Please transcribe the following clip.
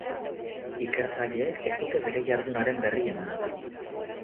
Ikertzaileek ez dute bere jardunaren berri eman.